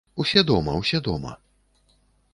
Усе дома, усе дома.